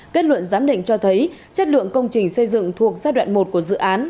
kết luận giám định cho thấy chất lượng công trình xây dựng thuộc giai đoạn một của dự án